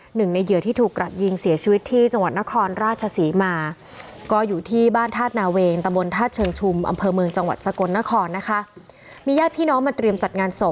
หนึ่งในเหยื่อที่ถูกกระดายิงเสียชีวิตที่จังหวัดนครราชศรีมา